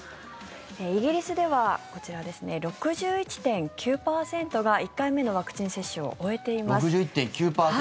イギリスでは６１．９％が１回目のワクチン接種を６１．９％。